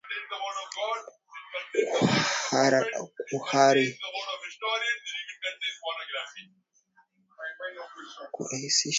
Kurahisisha hilo serikali imeanzisha miradi mbalimbali ya kimkakati